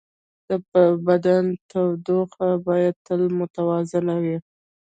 د بدن تودوخه باید تل متوازنه وي.